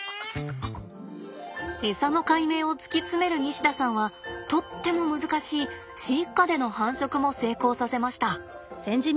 エサの解明を突き詰める西田さんはとっても難しい飼育下での繁殖も成功させました。